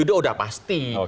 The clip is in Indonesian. itu sudah pasti